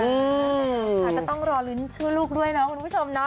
ค่ะก็ต้องรอลุ้นชื่อลูกด้วยเนาะคุณผู้ชมเนาะ